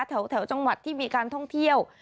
แถวจังหวัดที่มีการท่องเที่ยว